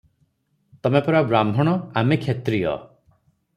ତମେପରା ବ୍ରାହ୍ମଣ ଆମେ କ୍ଷତ୍ରିୟ ।